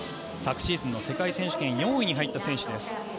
昨シーズンの世界選手権４位に入った選手です。